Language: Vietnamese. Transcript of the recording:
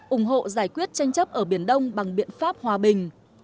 ủng hộ giải quyết tranh chấp ở biển đông bằng biện pháp hòa bình